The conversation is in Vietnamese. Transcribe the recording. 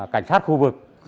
cảnh sát khu vực